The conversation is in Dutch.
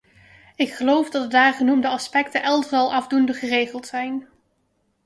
Ik geloof dat de daar genoemde aspecten elders al afdoende geregeld zijn.